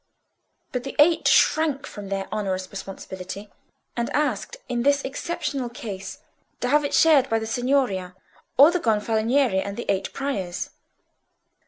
But the Eight shrank from their onerous responsibility, and asked in this exceptional case to have it shared by the Signoria (or the Gonfaloniere and the eight Priors).